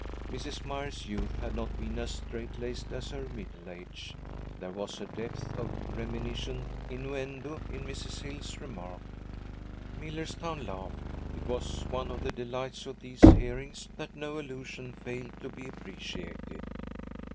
Mrs. Myers's youth had not been as strait laced as her middle age; there was a depth of reminiscent innuendo in Mrs. Hill's remark. Millerstown laughed. It was one of the delights of these hearings that no allusion failed to be appreciated.